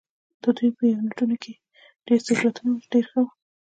د دوی په یونیټونو کې ډېر سهولتونه ول، چې ډېر ښه وو.